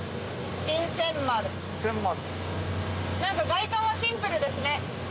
「神泉丸」なんか外観はシンプルですね。